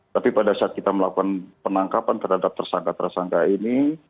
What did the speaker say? tapi pada saat kita melakukan penangkapan terhadap tersangka tersangka ini